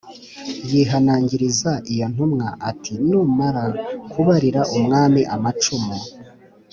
yihanangiriza iyo ntumwa ati “Numara kubarira umwami amacumu